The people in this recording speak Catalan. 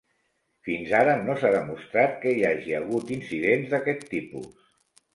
Fins ara no s'ha demostrat que hi hagi hagut incidents d'aquest tipus.